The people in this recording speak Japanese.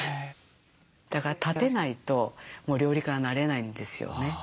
だから立てないともう料理家になれないんですよね。